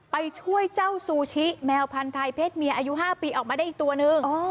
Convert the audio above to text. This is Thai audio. ไปช่วยเจ้าซูชิแมวพันธัยเพศเมียอายุ๕ปีออกมาได้อีกตัวนึง